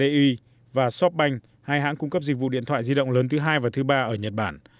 trong thời gian này huawei và softbank hai hãng cung cấp dịch vụ điện thoại di động lớn thứ hai và thứ ba ở nhật bản